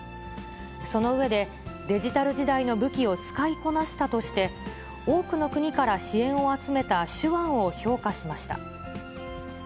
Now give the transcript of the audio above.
その上で、デジタル時代の武器を使いこなしたとして、多くの国から支援を集めた手腕を評価しました。